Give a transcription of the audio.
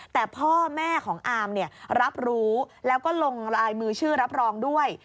แต่พ่อแม่ของอามรับรู้แล้วก็ลงลายมือชื่อรับรองด้วย